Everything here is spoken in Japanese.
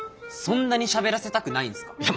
そんなにしゃべらせたくないんすか？